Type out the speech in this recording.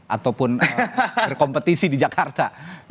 ataupun berkompetisi di jakarta